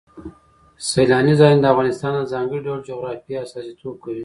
سیلانی ځایونه د افغانستان د ځانګړي ډول جغرافیه استازیتوب کوي.